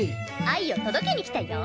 愛を届けに来たヨ！